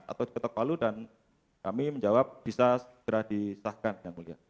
atau diketok palu dan kami menjawab bisa segera disahkan yang mulia